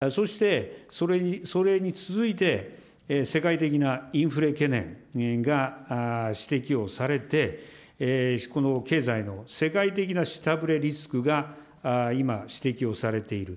そして、それに続いて、世界的なインフレ懸念が指摘をされて、この経済の世界的な下振れリスクが今、指摘をされている。